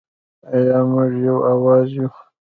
آیا موږ یو اواز یو؟